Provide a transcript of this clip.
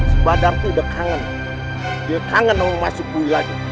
sebadar tuh udah kangen dia kangen nunggu masuk bui lagi